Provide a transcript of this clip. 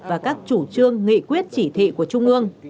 và các chủ trương nghị quyết chỉ thị của trung ương